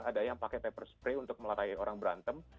ada yang pakai pepper spray untuk melatahi orang berantem